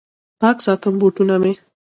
پاک ساتم بوټونه مې